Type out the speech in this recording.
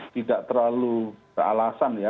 tidak terlalu alasan ya